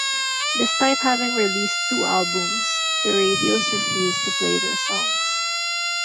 Despite having released two albums the radios refused to play their songs.